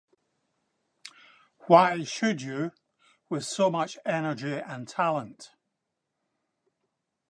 Why should you, with so much energy and talent?